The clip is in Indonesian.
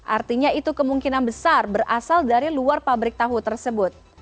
artinya itu kemungkinan besar berasal dari luar pabrik tahu tersebut